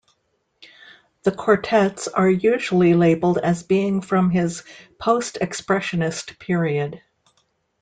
The quartets are usually labeled as being from his "Post-Expressionist" period.